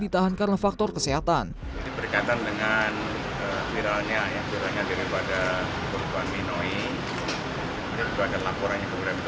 dari tahun lakukan penyelidikan dan penyelidikan